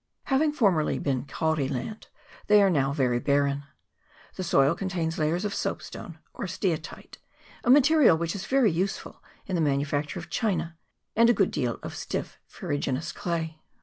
Having formerly been kauri land, they are now very barren. The soil contains layers of soapstone, or steatite, a material which is very use ful in the manufacture of china, and a good deal of stiff ferruginous clay.